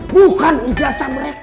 bukan ijazah mereka